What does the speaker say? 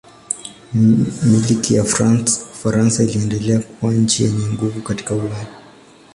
Milki ya Ufaransa iliendelea kuwa nchi yenye nguvu katika Ulaya.